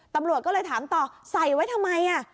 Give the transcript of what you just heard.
ตำรวจก็เลยถามต่อใส่ไว้ทำไม